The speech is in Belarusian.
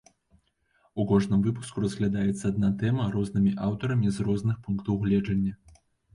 У кожным выпуску разглядаецца адна тэма рознымі аўтарамі з розных пунктаў гледжання.